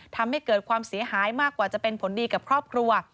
ทำให้เกิดความเสียหายมากกว่าจะเป็นผลดีกับครอบครัว